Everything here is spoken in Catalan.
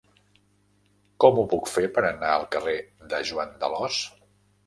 Com ho puc fer per anar al carrer de Joan d'Alòs?